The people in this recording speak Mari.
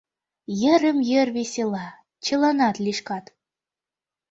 Йырым-йыр весела, чыланат лӱшкат.